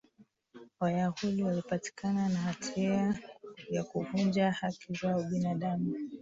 wayahudi walipatikana na hatia ya kuvunja haki za ubinadamu